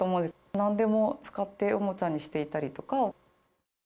なんでも使っておもちゃにしていたりとか。